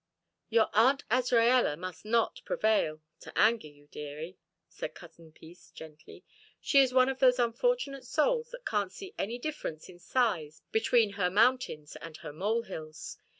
"Your Aunt Azraella must not prevail to anger you, dearie," said Cousin Peace, gently. "She is one of those unfortunate souls that can't see any difference in size between her mountains and her mole hills.